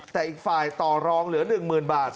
แต่อีกฝ่ายต่อรองเหลือ๑๐๐๐บาท